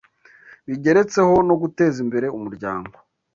Bigeretseho no guteza imbere umuryango